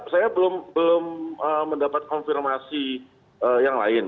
saya belum mendapat konfirmasi yang lain